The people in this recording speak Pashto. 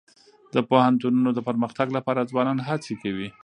د پوهنتونونو د پرمختګ لپاره ځوانان هڅي کوي.